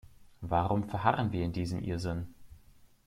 Warum verharren wir in diesem Irrsinn?